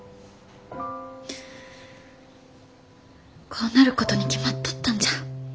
こうなることに決まっとったんじゃ。